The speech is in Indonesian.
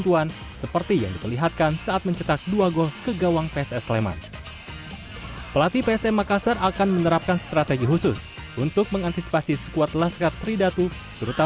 dan setelah itu kita menang kita tidak menang pertandingan kita